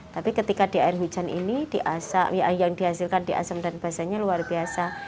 tapi ketika di air hujan ini yang dihasilkan di asam dan basahnya luar biasa